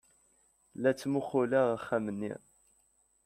La ttmuqquleɣ axxam-nni.